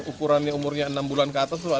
ukurannya umurnya enam bulan ke atas